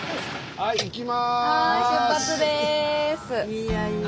はい出発です！